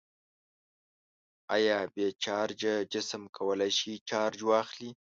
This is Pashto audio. آیا بې چارجه جسم کولی شي چارج واخلي؟